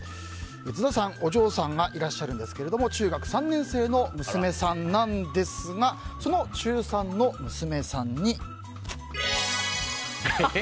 津田さん、お嬢さんがいらっしゃるんですけれども中学３年生の娘さんなんですが行きつけ教えます！